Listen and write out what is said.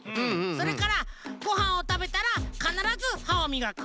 それからごはんをたべたらかならずはをみがく。